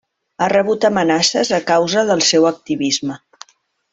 Ha rebut amenaces a causa del seu activisme.